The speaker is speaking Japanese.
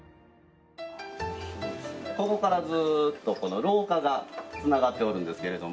ここからずーっと廊下が繋がっておるんですけれども。